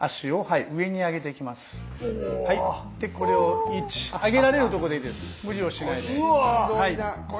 これを１上げられるとこでいいです。